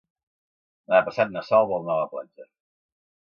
Demà passat na Sol vol anar a la platja.